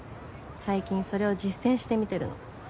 最近それを実践してみてるの。